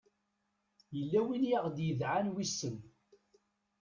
yella win i aɣ-d-idɛan wissen